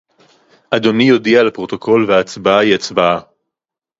אדוני יודיע לפרוטוקול וההצבעה היא הצבעה